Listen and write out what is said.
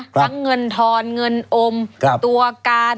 ทั้งเงินทรเงินอมตัวการ